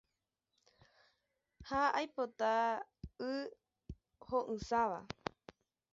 Ha aipota y ho’ysãva.